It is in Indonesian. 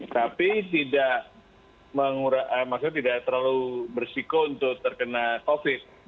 tapi tidak terlalu bersiko untuk terkena covid